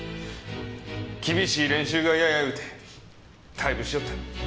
厳しい練習が嫌や言うて退部しよった。